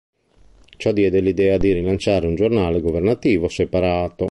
Ciò diede l'idea di rilanciare un giornale governativo separato.